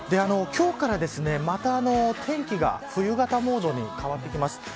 今日から、また天気が冬型モードに変わってきます。